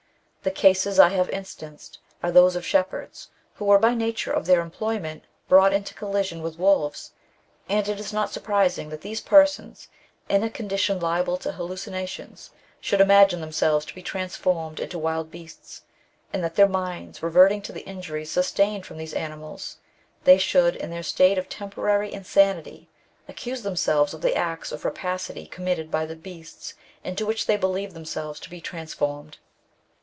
The cases I have instanced are those of shepherds, who were by nature of their employment, brought into collision with wolves ; and it is not surprising that these persons, in a condition Uable to haUucinations, should imagine themselves to be transformed into wild beasts, and that their minds reverting to the injuries sustained from these animals, they should, in their state of temporary insanity, accuse themselves of the acts of rapacity committed by the beasts into which they believed themselves to be trans formed.